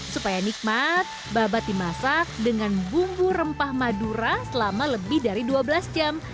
supaya nikmat babat dimasak dengan bumbu rempah madura selama lebih dari dua belas jam